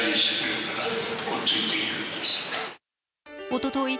おととい